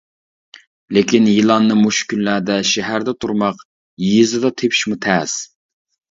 لېكىن، يىلاننى مۇشۇ كۈنلەردە شەھەردە تۇرماق يېزىدا تېپىشمۇ تەس.